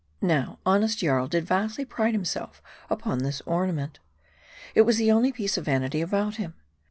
Now, honest Jarl did vastly pride himself upon this orna ment. It was the only piece of vanity about him.